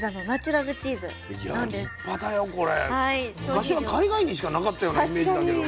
昔は海外にしか無かったようなイメージだけどね。